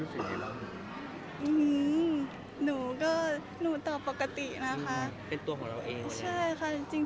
เป็นตัวของเราเอง